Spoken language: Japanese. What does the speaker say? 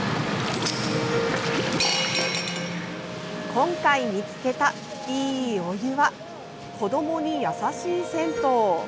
今回見つけたいいお湯は子どもに優しい銭湯。